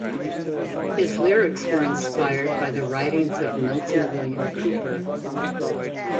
His lyrics were inspired by the writings of Milton William Cooper.